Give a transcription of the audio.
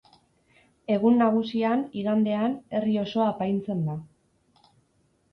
Egun nagusian, igandean, herri osoa apaintzen da.